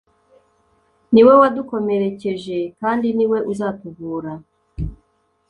Ni we wadukomerekeje kandi ni we uzatuvura,